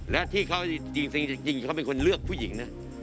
และที่เขาจริงเขาเป็นคนเลือกผู้หญิงนะ